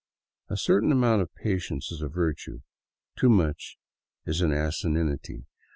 A certain amount of patience is a virtue; too much is an asininity.